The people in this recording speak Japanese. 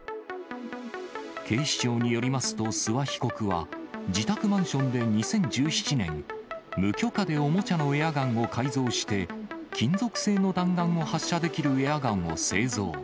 警視庁によりますと、諏訪被告は、自宅マンションで２０１７年、無許可でおもちゃのエアガンを改造して、金属製の弾丸を発射できるエアガンを製造。